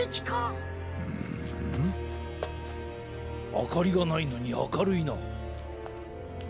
あかりがないのにあかるいな。